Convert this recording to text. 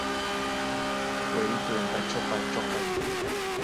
cueritu empachopa choqay